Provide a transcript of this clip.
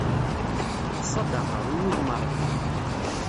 Ṣṣadaqa, i wudem n Ṛebbi.